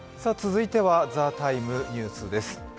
続いては「ＴＨＥＴＩＭＥ，ニュース」です。